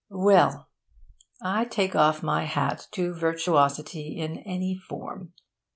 Well! I take off my hat to virtuosity in any form.